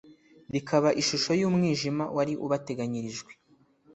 rikaba ishusho y'umwijima wari ubateganyirijwe